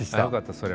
よかった。